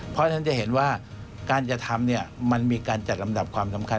เพราะฉะนั้นจะเห็นว่าการจะทำมันมีการจัดลำดับความสำคัญ